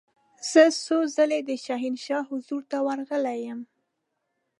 زه څو ځله د شاهنشاه حضور ته ورغلې یم.